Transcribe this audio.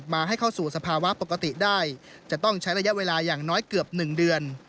ให้เข้าสู่สภาวะปกติได้จะต้องใช้ระยะเวลาอย่างน้อยเกือบ๑เดือน